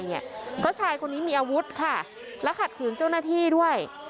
เพราะชายคนนี้มีอาวุธค่ะและขัดขืนเจ้าหน้าที่ด้วย